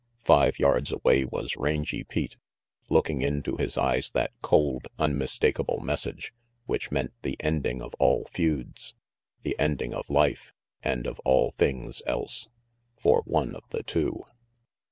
Five yards away was Rangy Pete, looking into his eyes that cold, unmistakable message, which meant the ending of all feuds, the ending of life and of all things else for one of the two.